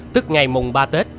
tức ngày mùng ba tết